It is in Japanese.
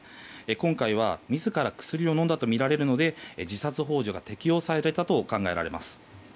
今回は、自ら薬を飲んだとみられるので自殺幇助が適用されたと考えられます。